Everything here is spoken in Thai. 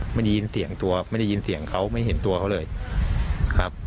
ไม่ได้ยินเสียงตัวไม่ได้ยินเสียงเขาไม่เห็นตัวเขาเลยครับ